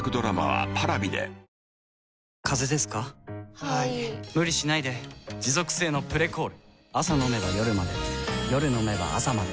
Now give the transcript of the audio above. はい・・・無理しないで持続性の「プレコール」朝飲めば夜まで夜飲めば朝まで